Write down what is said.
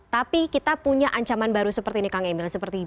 tapi kita punya ancaman baru seperti ini kang emil